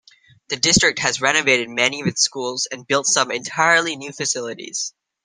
The District has renovated many of its schools and built some entirely new facilities.